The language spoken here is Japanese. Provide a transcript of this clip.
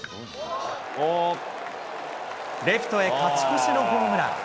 レフトへ勝ち越しのホームラン。